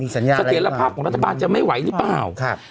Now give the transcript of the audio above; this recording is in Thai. สัญญาณภาพของรัฐบาลจะไม่ไหวหรือเปล่า